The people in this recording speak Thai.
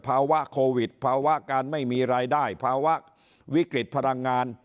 ภาวะโควิดภาวะการไม่มีรายได้ภาวะวิกฤตพลังงาน